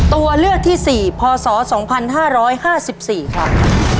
ตัวเลือกที่๔พศ๒๕๕๔ครับ